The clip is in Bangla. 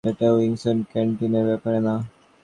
এটা উইংকিস ক্যান্টিনার ব্যাপারে না।